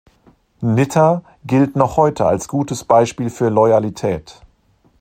Nitta gilt noch heute als gutes Beispiel für Loyalität.